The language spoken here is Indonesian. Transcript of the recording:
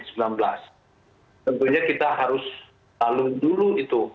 tentunya kita harus lalui dulu itu